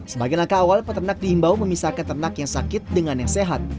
sebagai langkah awal peternak diimbau memisahkan ternak yang sakit dengan yang sehat